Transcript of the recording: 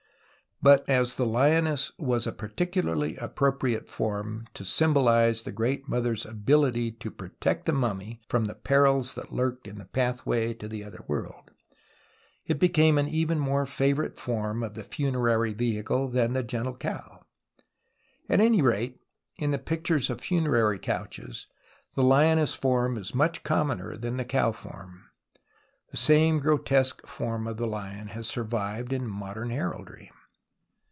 But as the lioness was a par ticularly appropriate form to symbolize the Great INIothcr's ability to protect the mummy from the perils that lurked in the pathway to tile other world, it became an e\en more favourite form of the funerary vehicle than the gentle cow. At any rate, in the pictures of funerary couches the lioness form is much commoner than the cow form. The same grotesque form of the lion has survi\ed in modern heraldry.